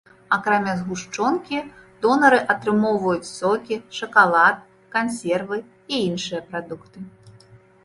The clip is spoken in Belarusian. Акрамя згушчонкі донары атрымоўваюць сокі, шакалад, кансервы і іншыя прадукты.